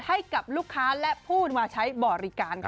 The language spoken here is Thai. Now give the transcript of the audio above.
ให้กับลูกค้าและผู้มาใช้บริการค่ะ